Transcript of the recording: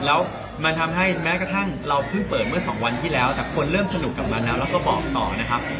แล้วมันทำให้แม้กระทั่งเราเพิ่งเปิดเมื่อสองวันที่แล้วแต่คนเริ่มสนุกกับมันแล้วแล้วก็บอกต่อนะครับ